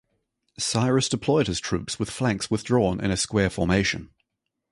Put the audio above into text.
Cyrus deployed his troops with flanks withdrawn in a square formation.